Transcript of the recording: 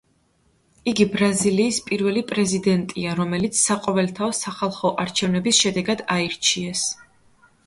იგი ბრაზილიის პირველი პრეზიდენტია, რომელიც საყოველთაო სახალხო არჩევნების შედეგად აირჩიეს.